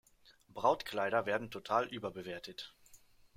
Brautkleider werden total überbewertet.